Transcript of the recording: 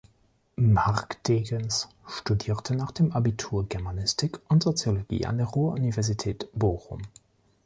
Marc Degens studierte nach dem Abitur Germanistik und Soziologie an der Ruhr-Universität Bochum.